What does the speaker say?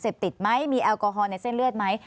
ติดไหมมีแอลกอฮอลในเส้นเลือดไหม